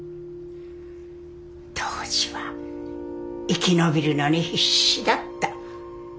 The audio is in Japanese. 当時は生き延びるのに必死だった。